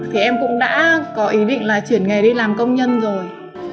thì em cũng đã có ý định là chuyển nghề đi làm công nhân rồi